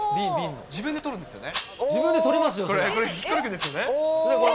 自分で取るんですよね。